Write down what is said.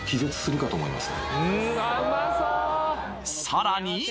さらに！